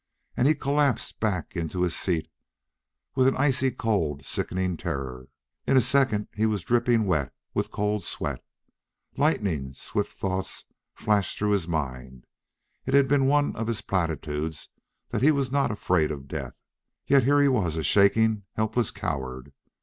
And he collapsed back into his seat with an icy, sickening terror. In a second he was dripping wet with cold sweat. Lightning swift thoughts flashed through his mind. It had been one of his platitudes that he was not afraid of death. Yet here he was a shaking, helpless coward.